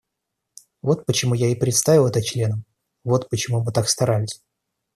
Вот почему я и представил это членам, вот почему мы так старались.